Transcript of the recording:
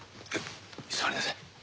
座りなさい。